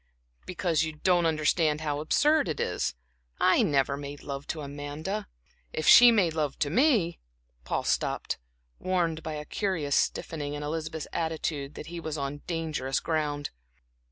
"Because you don't understand how absurd it is. I never made love to Amanda if she made love to me" Paul stopped, warned by a curious stiffening in Elizabeth's attitude that he was on dangerous ground.